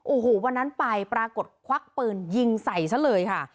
โอ้โหวันนั้นไปปรากฏควักปืนยิงใส่ซะเลยค่ะ